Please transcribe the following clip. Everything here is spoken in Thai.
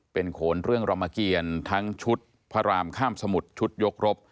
เป็นโขนเรื่องรามเกียรทั้งชุดพระรามข้ามสมุทรชุดยกรบ